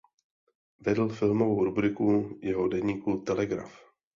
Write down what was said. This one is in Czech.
Vedl filmovou rubriku jeho deníku "Telegraf".